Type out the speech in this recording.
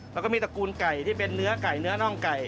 แล้วก็มีตระกูลไก่ที่เป็นเนื้อไก่เนื้อน่องไก่